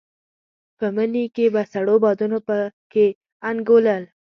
په مني کې به سړو بادونو په کې انګولل.